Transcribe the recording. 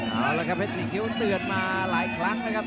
เอาละครับเพชรสี่คิ้วเตือนมาหลายครั้งนะครับ